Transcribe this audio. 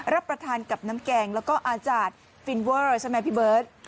รับประทานกับน้ำแกงแล้วก็อาจารย์ฟินเวอร์เลยใช่ไหมพี่เบิร์ต